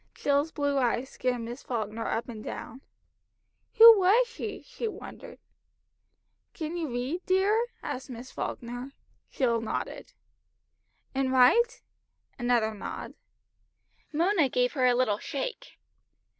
Jill's blue eyes scanned Miss Falkner up and down. "Who was she?" she wondered. "Can you read, dear?" asked Miss Falkner. Jill nodded. "And write?" Another nod. Mona gave her a little shake.